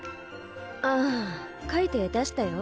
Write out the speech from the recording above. ああ描いて出したよ。